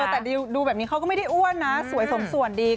แต่ก็ดูแบบนี้เขาก็ไม่ได้อ้วนนะสวยสวรรค์สวนซ้อนดี